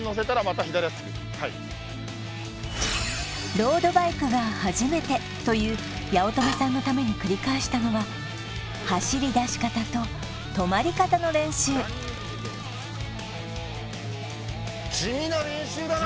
ロードバイクが初めてという八乙女さんのために繰り返したのは走り出し方と止まり方の練習地味な練習だな